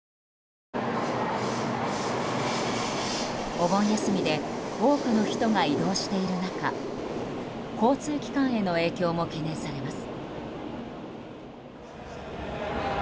お盆休みで多くの人が移動している中交通機関への影響も懸念されます。